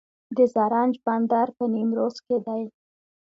د زرنج بندر په نیمروز کې دی